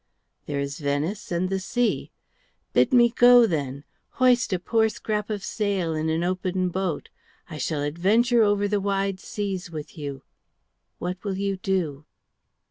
There is Venice and the sea. Bid me go, then; hoist a poor scrap of a sail in an open boat. I shall adventure over the wide seas with you. What will you do?"